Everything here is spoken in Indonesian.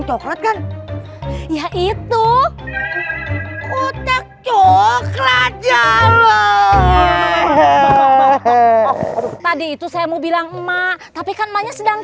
coklat kan yaitu kotak coklat jalo hehehe tadi itu saya mau bilang emak tapi kan banyak sedang